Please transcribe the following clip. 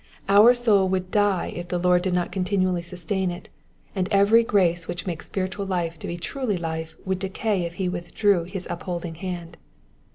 Our soul would die if the Lord did not continually sustain it, and every grace which makes spiritual life to be truly life would decay if he withdrew his upholding hand.